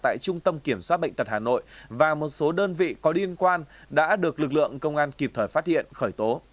tại trung tâm kiểm soát bệnh tật hà nội và một số đơn vị có liên quan đã được lực lượng công an kịp thời phát hiện khởi tố